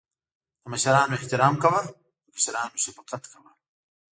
د مشرانو احترام کوه.په کشرانو شفقت کوه